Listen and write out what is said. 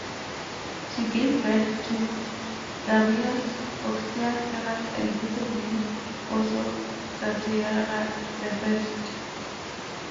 She gave birth to Darius, Oxyathres, and possibly also Stateira the First.